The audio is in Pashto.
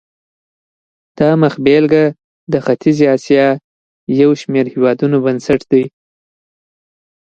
دا مخبېلګه د ختیځې اسیا یو شمېر هېوادونو بنسټ دی.